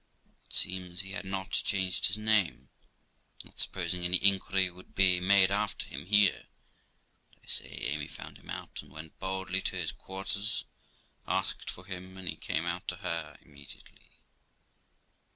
It seems he had not changed his name, not supposing any inquiry would be made after him here; but, I say, Amy found him out, and went boldly to his quarters, asked for him, and he came out to her immediately.